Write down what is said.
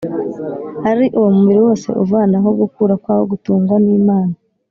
ari wo umubiri wose uvanaho gukura kwawo gutangwa n’Imana